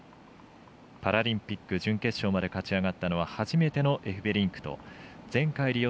パラリンピック準決勝まで勝ち上がったのは初めてのエフベリンクと前回リオ